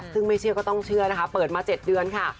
ซึ่งไม่เชื่อก็ต้องเชื่อนะคะเปิดมา๗เดือนค่ะ